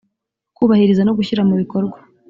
kubahiriza no gushyira mu bikorwa